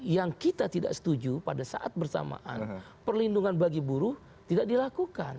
yang kita tidak setuju pada saat bersamaan perlindungan bagi buruh tidak dilakukan